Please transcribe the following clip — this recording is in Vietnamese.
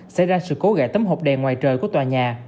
xảy ra sự cố gại tấm hộp đèn ngoài trời của tòa nhà